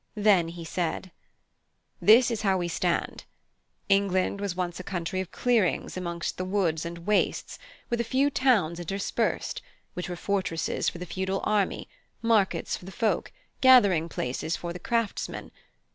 Then he said: "This is how we stand. England was once a country of clearings amongst the woods and wastes, with a few towns interspersed, which were fortresses for the feudal army, markets for the folk, gathering places for the craftsmen.